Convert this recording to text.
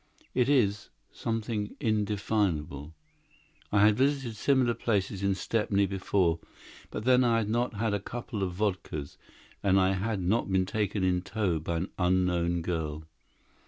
It is ... something indefinable. I had visited similar places in Stepney before, but then I had not had a couple of vodkas, and I had not been taken in tow by an unknown girl.